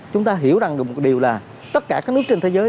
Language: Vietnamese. chúng ta hiểu rằng được một điều là tất cả các nước trên thế giới